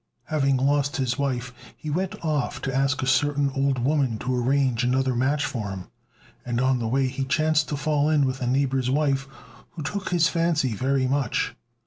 Having lost his wife, he went off to ask a certain old woman to arrange another match for him; and on the way, he chanced to fall in with a neighbour's wife who took his fancy very much.